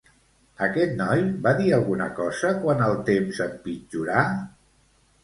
Aquest noi va dir alguna cosa quan el temps empitjorà?